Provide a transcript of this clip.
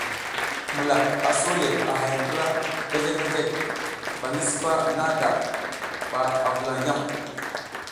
Milak a so le a hay ndra bezlek bezlek ba ngi sipa nada mba a vulan yam.